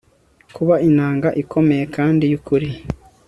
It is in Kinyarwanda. kuba inanga, ikomeye kandi yukuri